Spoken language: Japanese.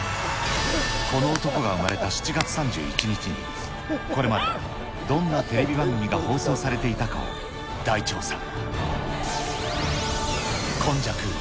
この男が生まれた７月３１日に、これまでどんなテレビ番組が放送されていたかを大調査。